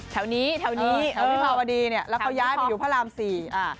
แถวนี้เนี่ยอ่อค่ะอยู่พระราม๔อ่ะนะ